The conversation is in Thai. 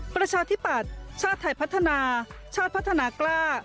ประชาธิปัตย์ชาติไทยพัฒนาชาติพัฒนากล้า